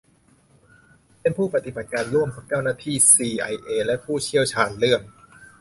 เป็นผู้ปฏิบัติการร่วมกับเจ้าหน้าที่ซีไอเอและผู้เชี่ยวชาญเรื่อง